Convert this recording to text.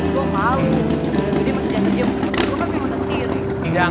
gue udah datang